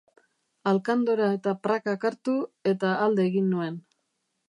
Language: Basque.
Alkandora eta prakak hartu, eta alde egin nuen.